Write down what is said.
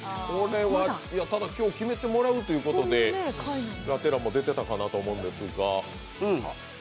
ただ、今日決めてもらうということでラテ欄にも出てたと思うんですが。